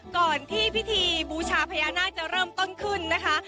ก่อนที่พิธีบูชาพญานาคจะเริ่มต้นขึ้นนะคะ